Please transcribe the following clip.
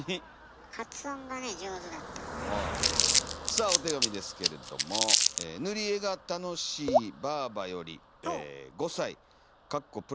さあお手紙ですけれども「ぬりえが楽しいばぁばより５才」。